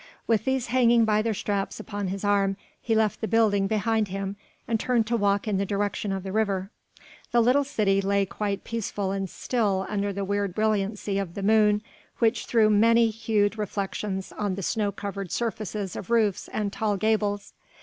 With these hanging by their straps upon his arm, he left the building behind him and turned to walk in the direction of the river. The little city lay quite peaceful and still under the weird brilliancy of the moon which threw many hued reflections on the snow covered surfaces of roofs and tall gables.